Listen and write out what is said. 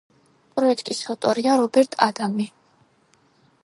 პროექტის ავტორია რობერტ ადამი.